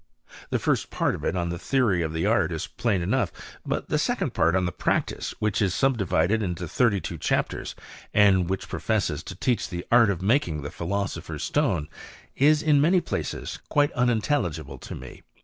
The first part of i on the theory of the art is plain enough ; but the if cond part on the practice, which is subdivided ial thirty two chapters, and which professes to teach di art of making the philosopher's stone^ is in man places quite unintelligible to me.